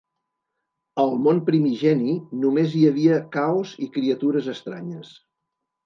Al món primigeni, només hi havia caos i criatures estranyes.